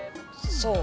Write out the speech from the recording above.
そう？